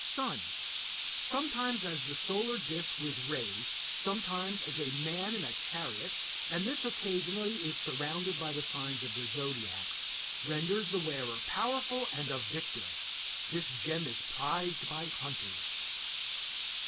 SUN. Sometimes as the solar disk with rays, sometimes as a man in a chariot, and this occasionally is surrounded by the signs of the zodiac. Renders the wearer powerful and a victor; this gem is prized by hunters.